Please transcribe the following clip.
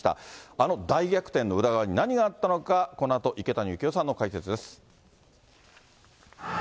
あの大逆転の裏側に何があったのか、このあと池谷幸雄さんの解説です。